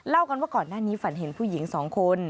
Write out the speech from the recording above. เพราะฉะนั้นว่าก่อนหน้านี้ฝันเห็นผู้หญิงสองคน